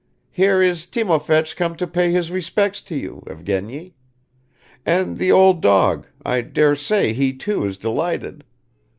Here is Timofeich come to pay his respects to you, Evgeny. And the old dog, I dare say he too is delighted.